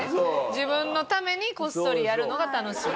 自分のためにこっそりやるのが楽しい。